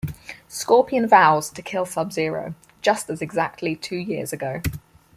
Scorpion vows to kill Sub-Zero just as exactly two years ago.